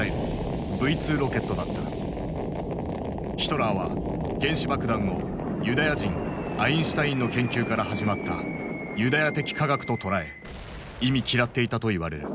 ヒトラーは原子爆弾をユダヤ人アインシュタインの研究から始まった「ユダヤ的科学」と捉え忌み嫌っていたと言われる。